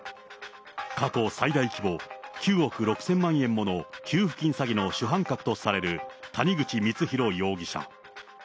過去最大規模、９億６０００万円もの給付金詐欺の主犯格とされる谷口光弘容疑者。